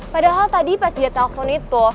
padahal tadi pas dia telpon itu